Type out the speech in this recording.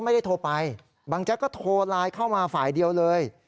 บางแจ๊กก็โทรไลน์เข้ามาฝ่ายเดียวเลย